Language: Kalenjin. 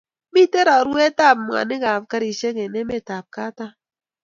Miten raruen ab mwanik ab garishek en emet ab katam